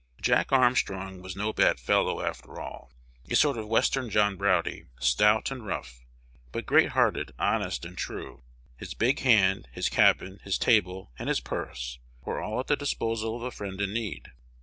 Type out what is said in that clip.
Jack Armstrong was no bad fellow, after all. A sort of Western John Browdie, stout and rough, but great hearted, honest, and true: his big hand, his cabin, his table, and his purse were all at the disposal of a friend in need.